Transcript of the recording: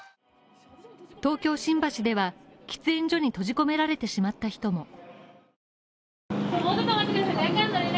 東京・新橋では、喫煙所に閉じ込められてしまった人も。